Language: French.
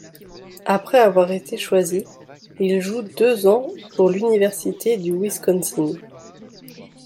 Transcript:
Après avoir été choisi, il joue deux ans pour l'université du Wisconsin.